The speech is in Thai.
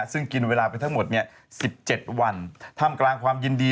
ซึ่งกินเวลาไปทั้งหมดเนี่ยสิบเจ็ดวันทำกลางความยินดี